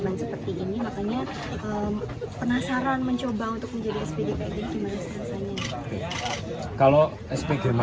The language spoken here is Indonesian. makanya penasaran mencoba untuk menjadi spg kayak gini gimana rasanya